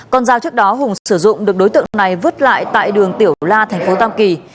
con dao trước đó hùng sử dụng được đối tượng này vứt lại tại đường tiểu la thành phố tam kỳ